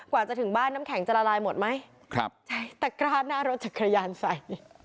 กว่าจะถึงบ้านน้ำแข็งจะละลายหมดไหมครับใช่แต่กราดหน้ารถจักรยานใส่